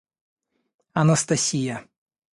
Анастасия